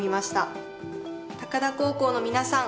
高田高校の皆さん